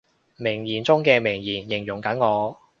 名言中嘅名言，形容緊我